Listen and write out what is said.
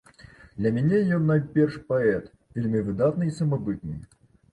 Для мяне ён найперш паэт, вельмі выдатны і самабытны.